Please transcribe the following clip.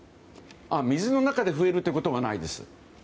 水の中で増えることはないです。